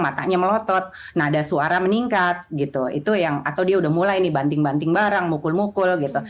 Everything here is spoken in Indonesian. matanya melotot nada suara meningkat gitu itu yang atau dia udah mulai nih banting banting barang mukul mukul gitu